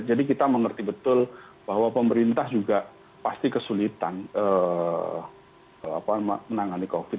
jadi kita mengerti betul bahwa pemerintah juga pasti kesulitan menangani covid